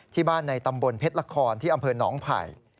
ที่บ้านในตำบลเพชรละครที่อำเภอหนองไผ่